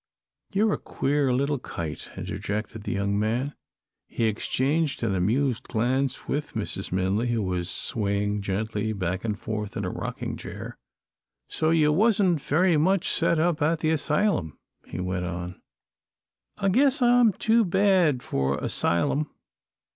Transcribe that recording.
"You're a queer little kite," interjected the young man, and he exchanged an amused glance with Mrs. Minley, who was swaying gently back and forth in a rocking chair. "So you wasn't very much set up at the asylum?" he went on. "I guess I'm too bad for a 'sylum.